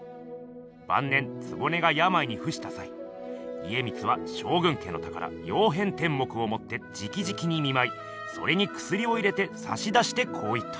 ばん年局がやまいにふしたさい家光は将軍家の宝「曜変天目」をもってじきじきに見まいそれにくすりを入れてさしだしてこう言った。